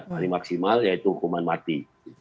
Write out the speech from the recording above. paling maksimal yaitu hukuman mati